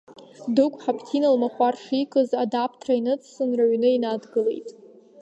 Дыгә Хаԥҭина лмахәар шикыз адаԥҭра иныҵсын, рыҩны инадгылеит.